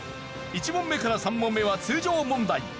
１問目から３問目は通常問題。